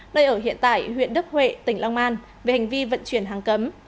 nơi ở hiện tại huyện đức huệ tỉnh long an về hành vi vận chuyển hàng cấm